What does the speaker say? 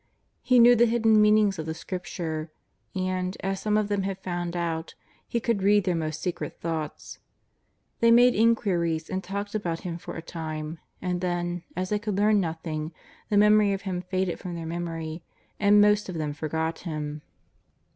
He knew the hidden meanings of the Scripture, and, as some of them had found out. He could read their most secret thoughts. They made in quiries and talked about Him for a time, and then, as they could learn nothing, the memory of Him faded from their memory, and most of them forgot Him.